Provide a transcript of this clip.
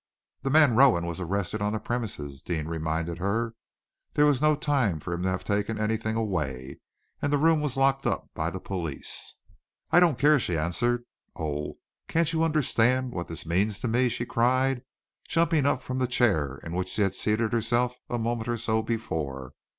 "The man Rowan was arrested on the premises," Deane reminded her. "There was no time for him to have taken anything away, and the room was locked up by the police." "I don't care," she answered. "Oh! Can't you understand what this means to me?" she cried, jumping up from the chair in which she had seated herself a moment or so before.